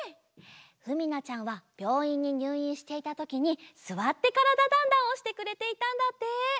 ふみなちゃんはびょういんににゅういんしていたときに「すわってからだ☆ダンダン」をしてくれていたんだって。